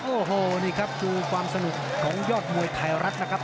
โอ้โหนี่ครับดูความสนุกของยอดมวยไทยรัฐนะครับ